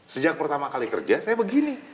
sejak pertama kali kerja saya begini